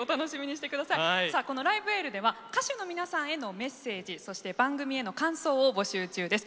「ライブ・エール」では歌手の皆さんへのメッセージそして、番組への感想を募集中です。